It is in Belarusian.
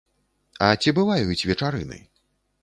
А ці бываюць вечарыны?